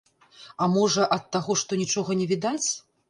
А можа, ад таго, што нічога не відаць?